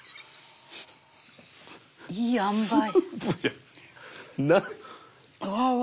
いいあんばい。